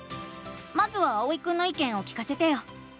まずはあおいくんのいけんを聞かせてよ！